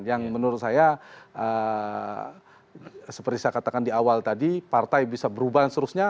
yang menurut saya seperti saya katakan di awal tadi partai bisa berubah dan seterusnya